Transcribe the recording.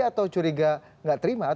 atau curiga tidak terima